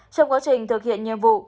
trong quá trình thực hiện nhiệm vụ